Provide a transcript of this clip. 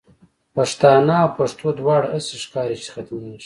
پښتانه او پښتو دواړه، هسی ښکاری چی ختمیږی